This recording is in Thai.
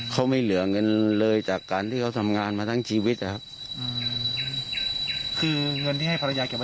เขาไม่เหลือเงินเลยจากการที่เขาทำงานมาทั้งชีวิตนะครับคือเงินที่ให้ภรรยาเก็บมา